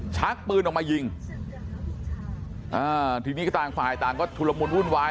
ชักปืนออกมายิงอ่าทีนี้ก็ต่างฝ่ายต่างก็ชุลมุนวุ่นวาย